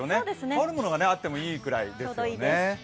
羽織るものがあってもいいくらいですね。